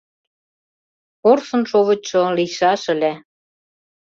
Порсын шовычшо лийшаш ыле;